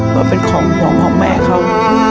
ว่าเป็นของของของแม่เขา